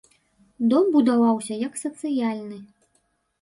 Дом будаваўся як сацыяльны.